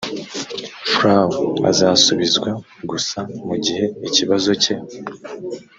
frw azasubizwa gusa mu gihe ikibazo cye